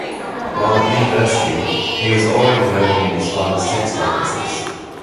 While at university, he was already working in his father's textile business.